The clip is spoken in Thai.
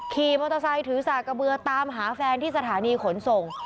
ขี่มอเตอร์ไซค์ถือสากกระเบือตามหาแฟนที่สถานีขนส่ง